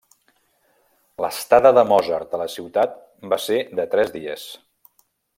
L'estada de Mozart a la ciutat va ser de tres dies.